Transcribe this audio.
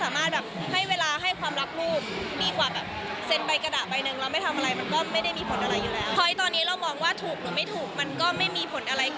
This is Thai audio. ถ้าคิดว่ายูทำอะไรไม่ได้ยูอย่าพูดดีกว่า